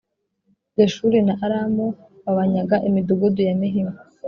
Geshuri na Aramu babanyaga imidugudu ya mihima